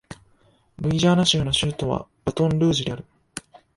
ルイジアナ州の州都はバトンルージュである